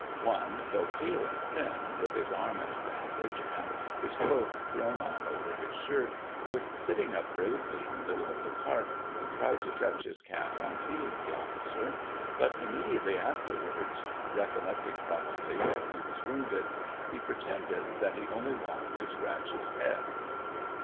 One, though pale and thin, with his arm in a bandage, and his cloak thrown on over his shirt, was sitting up bravely in the middle of the cart, and tried to touch his cap on seeing the officer, but immediately afterwards (recollecting, probably, that he was wounded) he pretended that he only wanted to scratch his head.